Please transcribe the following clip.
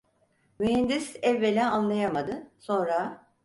Mühendis evvela anlayamadı, sonra: